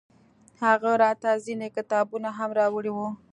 هغه راته ځينې کتابونه هم راوړي وو.